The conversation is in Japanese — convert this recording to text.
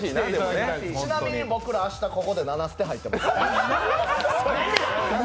ちなみに僕らここで７ステ入ってます。